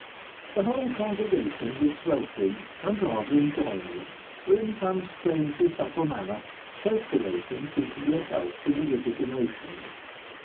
The whole congregation was sweltering, and rather enjoying it; for in some strangely subtle manner perspiration seemed to be a help to religious emotion.